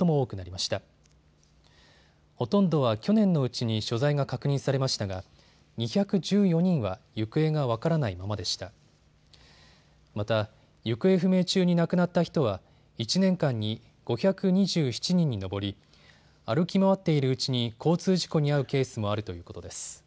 また行方不明中に亡くなった人は１年間に５２７人に上り、歩き回っているうちに交通事故に遭うケースもあるということです。